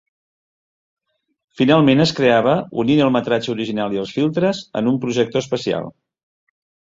Finalment es creava unint el metratge original i els filtres en un projector especial.